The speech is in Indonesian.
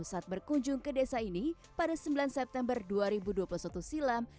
saat berkunjung ke desa ini pada sembilan september dua ribu dua puluh satu silam